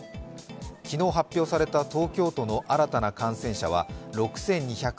昨日発表された東京都の新たな感染者は６２３１人。